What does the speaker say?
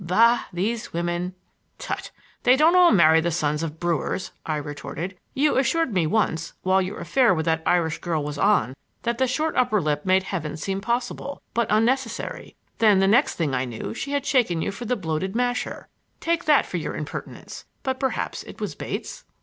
Bah, these women!" "Tut! They don't all marry the sons of brewers," I retorted. "You assured me once, while your affair with that Irish girl was on, that the short upper lip made Heaven seem possible, but unnecessary; then the next thing I knew she had shaken you for the bloated masher. Take that for your impertinence. But perhaps it was Bates?"